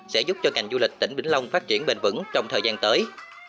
sẽ giúp cho ngành du lịch tỉnh vĩnh long phát triển bền vững trong thời gian tới